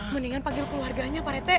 mendingan panggil keluarganya pak rete